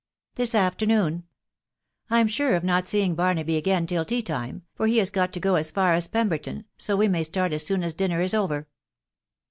" This afternoon ; I'm sure of not seeing Barnaby again till tea time, for he has got to go as far as Pemberton, so we may start as soon as dinner is over."